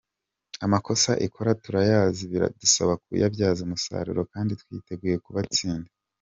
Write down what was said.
Amakosa ikora turayazi biradusaba kuyabyaza umusaruro kandi twiteguye kubatsinda.